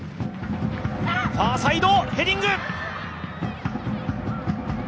ファーサイド、ヘディング！